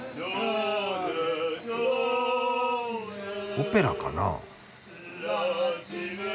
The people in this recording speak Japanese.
・オペラかな？